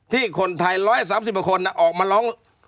ที่คนไทย๑๓๐กว่าคนออกมาร้อง